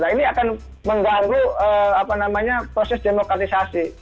ini akan mengganggu proses demokratisasi